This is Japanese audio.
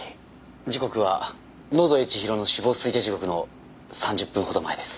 時刻は野添千尋の死亡推定時刻の３０分ほど前です。